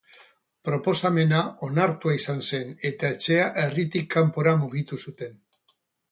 Proposamena onartua izan zen eta etxea herritik kanpora mugitu zuten.